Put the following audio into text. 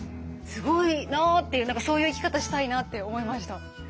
すごいなっていう何かそういう生き方したいなって思いました。